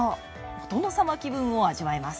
お殿様気分を味わえます。